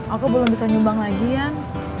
aku belum bisa nyumbang lagi yan